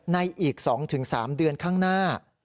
อีก๒๓เดือนข้างหน้า